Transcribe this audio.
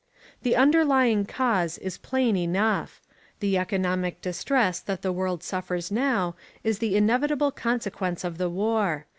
The underlying cause is plain enough. The economic distress that the world suffers now is the inevitable consequence of the war.